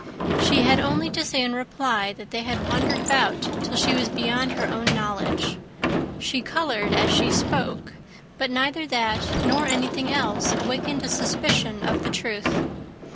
She had only to say in reply, that they had wandered about till she was beyond her own knowledge. She coloured as she spoke; but neither that, nor anything else, awakened a suspicion of the truth.